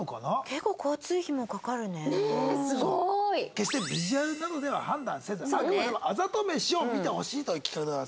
決してビジュアルなどでは判断せずあくまでもあざと飯を見てほしいという企画でございます。